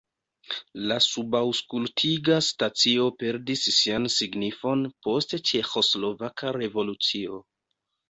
La subaŭskultiga stacio perdis sian signifon post ĉeĥoslovaka revolucio.